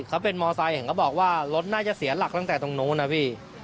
เขาเป็นมอไซค์เห็นเขาบอกว่ารถน่าจะเสียหลักตั้งแต่ตรงนู้นนะพี่